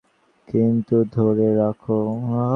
কিন্তু, ধরে রাখো।